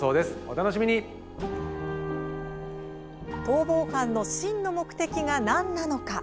逃亡犯の真の目的が何なのか。